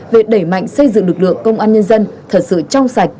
về đẩy mạnh xây dựng lực lượng công an nhân dân thật sự trong sạch